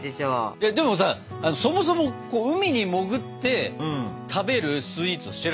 えっでもさそもそも海に潜って食べるスイーツを知らないのよ。